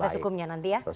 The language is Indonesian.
proses hukumnya nanti ya